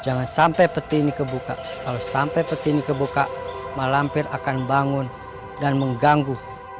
jangan sampai peti ini kebuka kalau sampai peti ini kebuka malampir akan bangun dan mengganggu